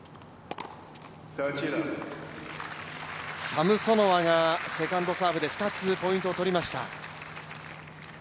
サムソノワがセカンドサーブで２つポイントを取りました。